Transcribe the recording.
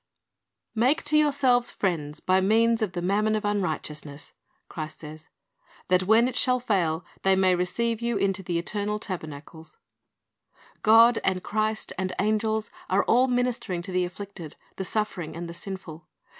2 : 20, 21 ' fhc Mavivion of Unrighteousness'^ 373 "Make to yourselves friends by means of the mammon of unrighteousness," Christ says, "tliat when it shall fail, they may receive you into the eternal tabernacles."^ God and Christ and angels are all ministering to the afflicted, the suffering, and the sinful.